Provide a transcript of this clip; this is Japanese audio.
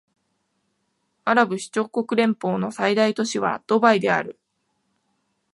アラブ首長国連邦の最大都市はドバイである